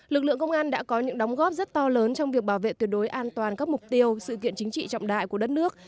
lực lượng công an đã có những đóng góp rất to lớn trong việc bảo vệ tuyệt đối an toàn các mục tiêu sự kiện chính trị trọng đại của đất nước